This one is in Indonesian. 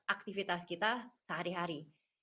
aktivitas kita sehari hari